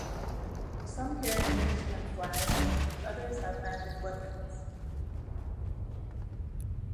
Some characters can fly; others have magic weapons.